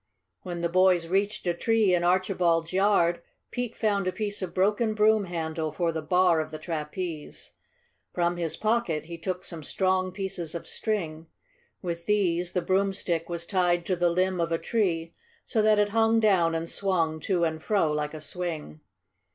When the boys reached a tree in Archibald's yard, Pete found a piece of broken broom handle for the bar of the trapeze. From his pocket he took some strong pieces of string. With these the broomstick was tied to the limb of a tree, so that it hung down and swung to and fro like a swing.